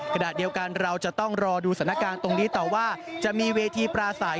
ขณะเดียวกันเราจะต้องรอดูสถานการณ์ตรงนี้ต่อว่าจะมีเวทีปราศัย